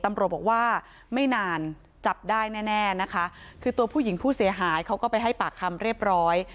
ตำรวจบอกว่าไม่นานจับได้แน่แน่นะคะคือตัวผู้หญิงผู้เสียหายเขาก็ไปให้ปากคำเรียบร้อย